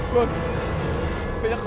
bos banyak takut